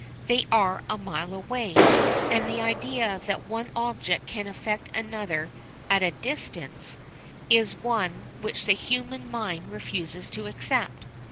They are a mile away; and the idea that one object can affect another at a distance is one which the human mind refuses to accept.